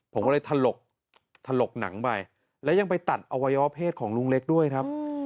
ผมก็เลยถลกถลกหนังไปแล้วยังไปตัดอวัยวะเพศของลุงเล็กด้วยครับ